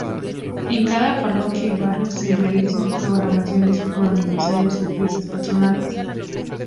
En cada Parroquia y Barrios se realizan programaciones por Aniversarios y Fiestas Patronales.